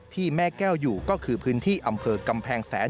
แม่แก้วอยู่ก็คือพื้นที่อำเภอกำแพงแสน